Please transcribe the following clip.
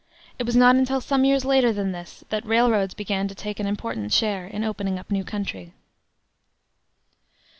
It was not until some years later than this that railroads began to take an important share in opening up new country.